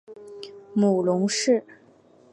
母庞氏。